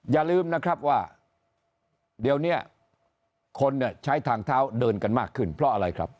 อย่าลืมนะครับว่าเดี๋ยวนี้คนเนี่ยใช้ทางเท้าเดินกันมากขึ้นเพราะอะไรครับ